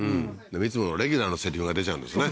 いつものレギュラーのセリフが出ちゃうんですね